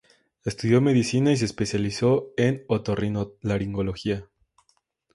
Estudió Medicina y se especializó en otorrinolaringología.